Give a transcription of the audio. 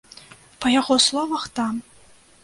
Па яго словах, там.